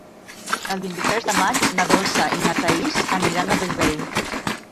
El vint-i-tres de maig na Dolça i na Thaís aniran a Bellvei.